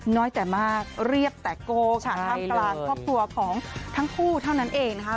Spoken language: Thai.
น้อยแต่มากเรียบแต่โกค่ะท่ามกลางครอบครัวของทั้งคู่เท่านั้นเองนะคะ